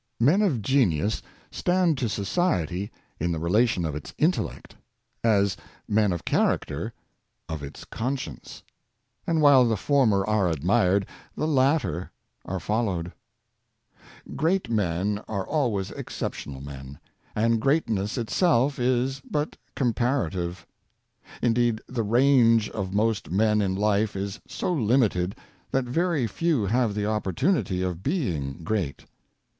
Men of genius stand to society in the relation of its intellect, as men of character of its conscience; and while the former are admired, the latter are followed. 60 Sphere of Common Duty, Great men are always exceptional men; and great ness itself is but comparative. Indeed, the range of most men in life is so limited, that very few have the opportunity of being great.